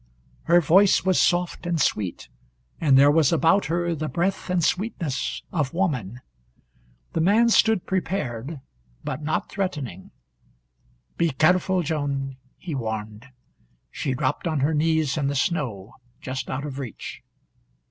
Her voice was soft and sweet, and there was about her the breath and sweetness of woman. The man stood prepared, but not threatening. "Be careful, Joan," he warned. She dropped on her knees in the snow, just out of reach.